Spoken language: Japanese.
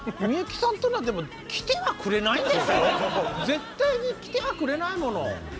絶対に来てはくれないもの。